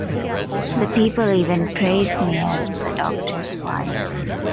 The people even praise me as the doctor's wife.